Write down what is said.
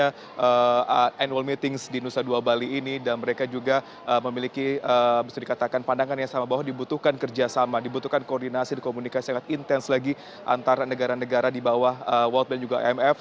dan juga sebabnya annual meetings di nusa dua bali ini dan mereka juga memiliki bisa dikatakan pandangan yang sama bahwa dibutuhkan kerjasama dibutuhkan koordinasi dan komunikasi yang intens lagi antara negara negara di bawah world bank dan juga imf